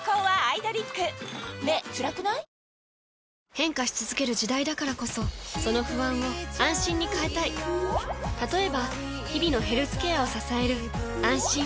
変化し続ける時代だからこそその不安を「あんしん」に変えたい例えば日々のヘルスケアを支える「あんしん」